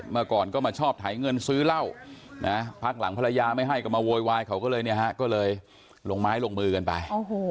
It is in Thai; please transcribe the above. เมื่อก่อนก็มาชอบไถเงินซื้อเหล้าพักหลังภรรยาไม่ให้ก็มาโวยวายเขาก็เลยเนี่ยฮะก็เลยลงไม้ลงมือกันไป